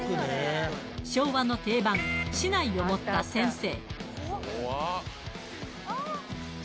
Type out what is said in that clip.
昭和の定番竹刀を持った先生